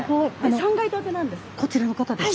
３階建てなんです。